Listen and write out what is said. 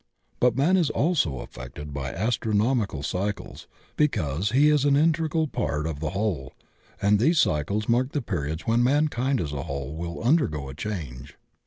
But man is also affected by astronomic^ cycles because he is an integral part of the whole, and these cycles mark the periods when mankind as a whole will undergo a change.